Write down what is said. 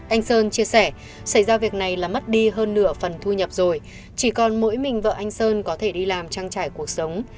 anh sơn chia sẻ xảy ra việc này là mất đi hơn nửa phần thu nhập rồi chỉ còn mỗi mình vợ anh sơn có thể đi làm trang trải cuộc sống